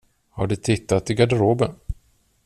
Har du tittat i garderoben?